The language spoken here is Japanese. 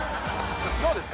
どうですか？